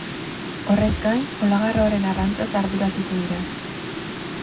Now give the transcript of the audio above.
Horrez gain, olagarroaren arrantzaz arduratuko dira.